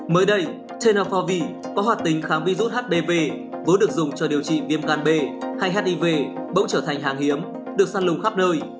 mới đây trên hầm phovi có hoạt tính kháng virus hdv vốn được dùng cho điều trị viêm gan b hay hiv bỗng trở thành hàng hiếm được săn lùng khắp nơi